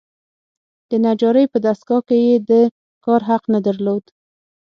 د نجارۍ په دستګاه کې یې د کار حق نه درلود.